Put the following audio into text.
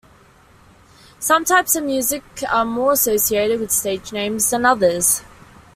Some types of music are more associated with stage names than others.